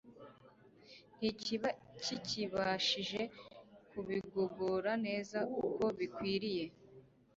ntikiba kikibashije kubigogora neza uko bikwiriye.